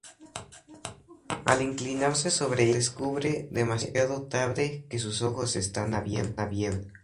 Al inclinarse sobre ella, descubre, demasiado tarde, que sus ojos están abiertos.